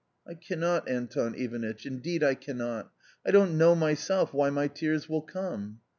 "I cannot, Anton Ivanitch, indeed I cannot; I don't know myself why my tears will come."